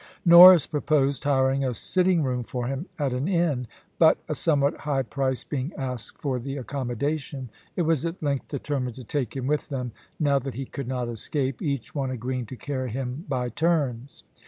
Norris proposed hiring a sitting room for him at an inn; but a somewhat high price being asked for the accommodation, it was at length determined to take him with them now that he could not escape, each one agreeing to carry him by turns.